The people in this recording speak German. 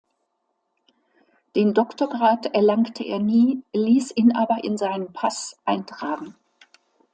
Den Doktorgrad erlangte er nie, ließ ihn aber in seinen Pass eintragen.